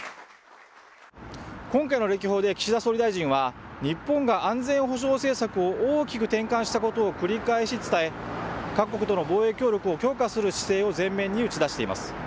今回の歴訪で、岸田総理大臣は、日本が安全保障政策を大きく転換したことを繰り返し伝え、各国との防衛協力を強化する姿勢を前面に打ち出しています。